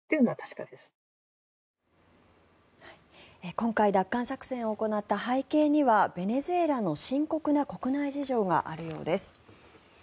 今回、奪還作戦を行った背景にはベネズエラの深刻な国内事情があるようです。